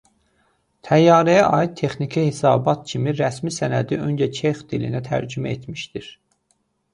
Təyyarəyə aid texniki hesabat kimi rəsmi sənədi öncə çex dilinə tərcümə etmişdir.